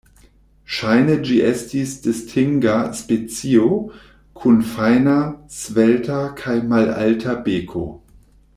Ŝajne ĝi estis distinga specio, kun fajna, svelta kaj malalta beko.